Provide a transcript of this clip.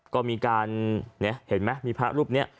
ก็มีการเนี้ยเห็นไหมมีพระรูปเนี้ย